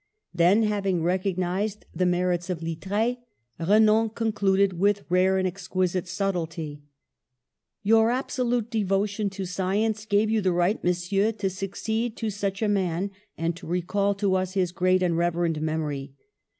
Then, having recognised the merits of Littre, Renan concluded, with rare and exquisite subtlety : ^'Your absolute devotion to science gave you the right. Monsieur, to succeed to such a man and to recall to us his great and revered memory.